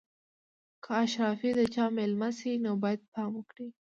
که اشرافي د چا مېلمه شي نو باید پام وکړي.